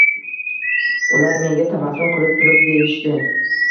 Ular menga tabassum qilib turib deyishdi.